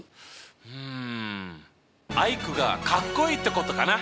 うんアイクがかっこいいってことかな！